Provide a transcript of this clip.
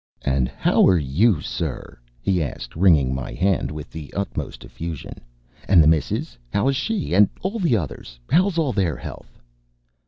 "And 'ow are you, sir?" he asked, wringing my hand with the utmost effusion. "And the missis, 'ow is she? And all the others 'ow's all their 'ealth?"